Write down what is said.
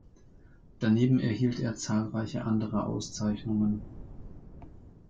Daneben erhielt er zahlreiche andere Auszeichnungen.